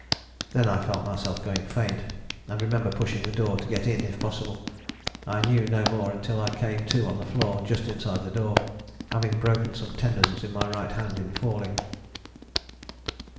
Then I felt myself going faint, and remember pushing the door to get in if possible. I knew no more until I came to on the floor just inside the door, having broken some tendons in my right hand in falling."